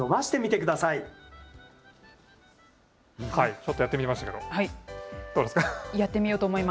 ちょっとやってみましたけど、どうですか？